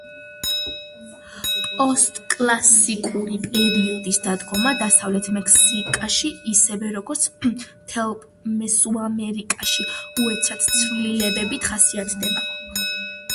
პოსტკლასიკური პერიოდის დადგომა დასავლეთ მექსიკაში, ისევე როგორც მთელ მესოამერიკაში, უეცარი ცვლილებებით ხასიათდება.